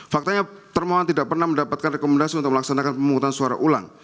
faktanya termohon tidak pernah mendapatkan rekomendasi untuk melaksanakan pemungutan suara ulang